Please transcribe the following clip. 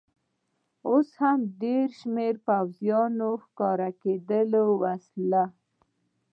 اوس هم ډېر شمېر پوځیان ښکارېدل، وسلې.